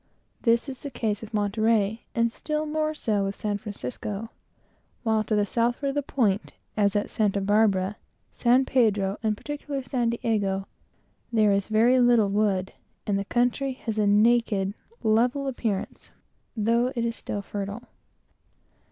This is the case with Monterey, and still more so with San Francisco; while to the southward of the point, as at Santa Barbara, San Pedro, and particularly San Diego, there is very little wood, and the country has a naked, level appearance, though it is still very fertile.